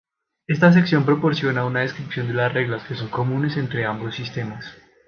Esta sección proporciona una descripción de las reglas que son comunes entre ambos sistemas.